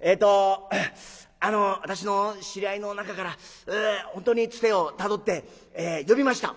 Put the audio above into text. えっと私の知り合いの中から本当にツテをたどって呼びました」。